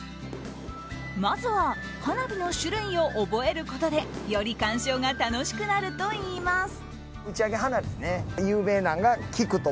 まずは花火の種類を覚えることでより観賞が楽しくなるといいます。